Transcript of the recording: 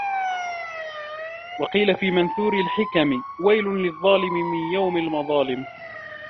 وَقِيلَ فِي مَنْثُورِ الْحِكَمِ وَيْلٌ لِلظَّالِمِ مِنْ يَوْمِ الْمَظَالِمِ